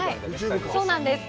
そうなんです。